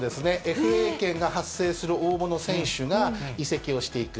ＦＡ権が発生する大物選手が移籍をしていく。